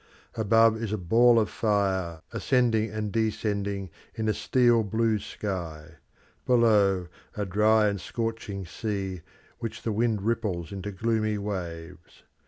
Above is a ball of fire ascending and descending in a steel blue sky; below, a dry and scorching sea which the wind ripples into gloomy waves.